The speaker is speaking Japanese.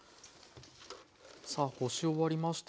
さあこし終わりました。